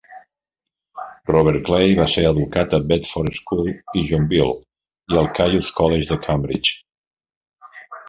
Robert Clay va ser educat a Bedford School i Gonville i al Caius College de Cambridge.